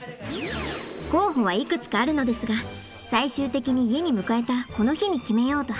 候補はいくつかあるのですが最終的に家に迎えたこの日に決めようと話し合っていました。